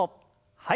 はい。